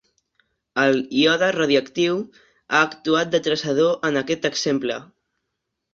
El iode radioactiu ha actuat de traçador en aquest exemple.